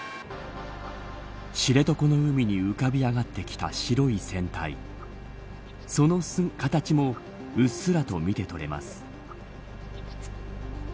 知床の海に浮かび上がってきた白い船体その形もうっすらと見てとれます。